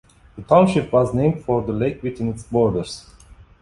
The township was named for the lake within its borders.